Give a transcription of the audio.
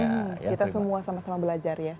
kita semua sama sama belajar ya